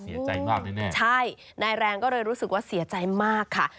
เสียใจมากแน่ใช่นายแรงก็เลยรู้สึกว่าเสียใจมากค่ะ